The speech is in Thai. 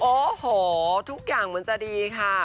โอ้โหทุกอย่างมันจะดีค่ะ